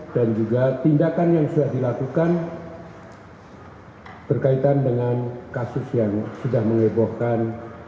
dan juga tindakan yang sudah dilakukan berkaitan dengan kasus yang sudah mengebohkan